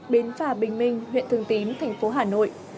bến phà bình minh huyện thường tín thành phố hà nội